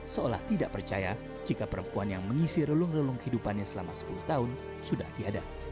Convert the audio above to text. seolah tidak percaya jika perempuan yang mengisi relung relung kehidupannya selama sepuluh tahun sudah tiada